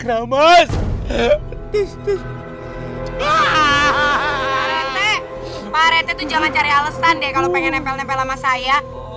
teh parete tuh jangan cari alesan deh kalau pengen nempel nempel sama saya